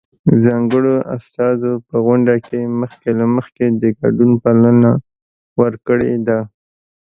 ځانګړو استازو په غونډه کې مخکې له مخکې د ګډون بلنه ورکړې ده.